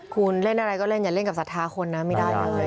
คุณเล่นอะไรก็เล่นอย่าเล่นกับศรัทธาคนนะไม่ได้เลย